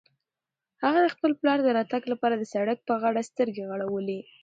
هغه د خپل پلار د راتګ لپاره د سړک په غاړه سترګې غړولې.